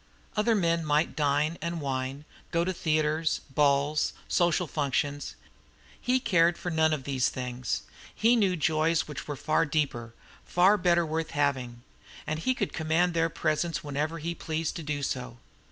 Other men might dine and wine, go to theatres, balls, social functions. He cared for none of these things. He knew joys which were far deeper, far better worth having, and he could command their presence whenever he pleased to do so.